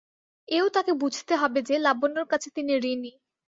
এও তাঁকে বুঝতে হবে যে, লাবণ্যর কাছে তিনি ঋণী।